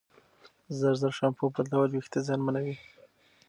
ژر ژر شامپو بدلول وېښتې زیانمنوي.